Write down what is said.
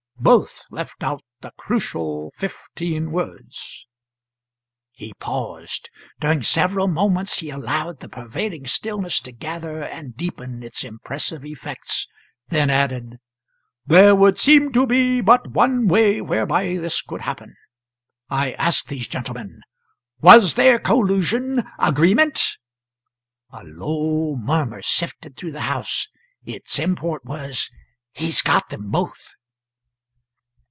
Both left out the crucial fifteen words." He paused. During several moments he allowed the pervading stillness to gather and deepen its impressive effects, then added: "There would seem to be but one way whereby this could happen. I ask these gentlemen Was there collusion? agreement?" A low murmur sifted through the house; its import was, "He's got them both."